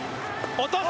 落とす！